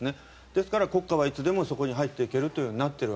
ですから、国家はいつでもそこに入っていけるとなっている。